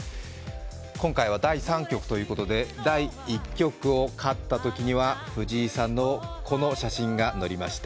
今回は第３局ということで第１局を勝ったときには藤井さんのこの写真が載りました。